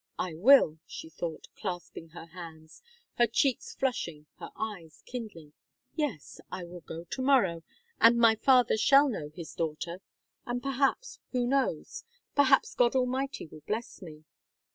"I will," she thought, clasping her hands, her cheeks flushing, her eyes kindling, "yes, I will go to morrow, and my father shall know his daughter; and, perhaps, who knows, perhaps God Almighty will bless me."